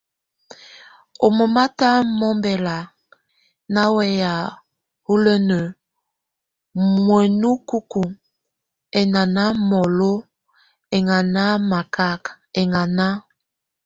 Oŋómatámombɛla ná wayé hulene muenekuku eŋaná molo, eŋaná makat, eŋaná.